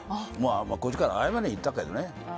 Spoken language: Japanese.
こっちから謝りに行ったけどね。